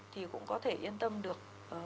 thì cũng có thể yên tâm được